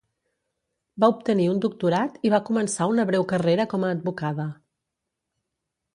Va obtenir un doctorat i va començar una breu carrera com a advocada.